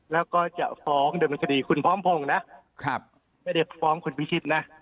แล้วก็จะฟ้องคุณพ้อมพงษ์นะไม่ได้ฟ้องคุณพิชิตนะ